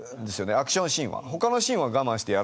アクションシーンは。